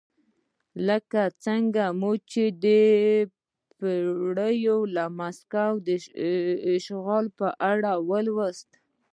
لکه څنګه مو چې د پیرو او مکسیکو د اشغال په اړه ولوستل.